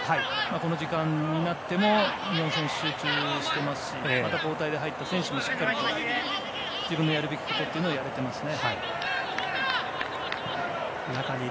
この時間になっても集中していますしまた、交代で入った選手も自分のやるべきことをやれていますね。